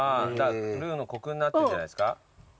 ルーのコクになってんじゃないですか？